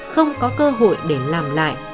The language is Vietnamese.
không có cơ hội để làm lại